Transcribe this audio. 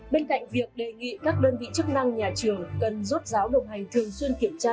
bên cạnh việc đề nghị các đơn vị chức năng nhà trường cần rốt ráo đồng hành thường xuyên kiểm tra